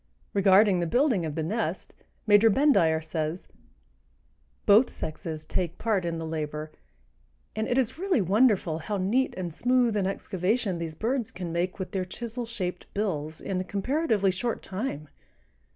Regarding the building of the nest, Major Bendire says: "Both sexes take part in the labor, and it is really wonderful how neat and smooth an excavation these birds can make with their chisel shaped bills in a comparatively short time.